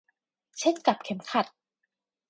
เช่นกับเข็มขัด